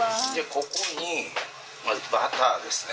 ここに、まず、バターですね。